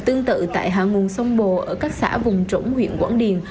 tương tự tại hàng nguồn sông bồ ở các xã vùng trổng huyện quảng điền